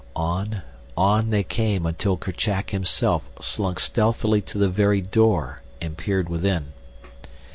On, on they came until Kerchak himself slunk stealthily to the very door and peered within.